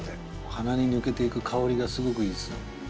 鼻に抜けていく香りがすごくいいんですよ。